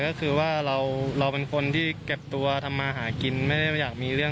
นิดหนึ่งทางทางคุณแม่แล้วก็พี่เขาด้วยครับที่มาช่วยเหลือ